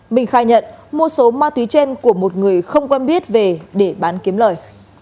mình khai nhận mua số ma túy trên của một người không quen biết về để bán kiếm lời